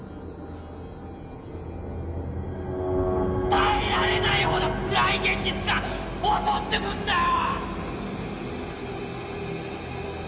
耐えられないほどつらい現実が襲ってくんだよ！